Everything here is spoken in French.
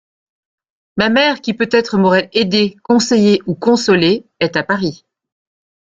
Ma mère, qui peut-être m’aurait aidée, conseillée ou consolée, est à Paris.